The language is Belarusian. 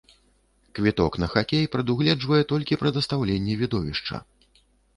Квіток на хакей прадугледжвае толькі прадастаўленне відовішча.